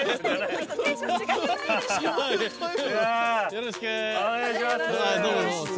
よろしくお願いします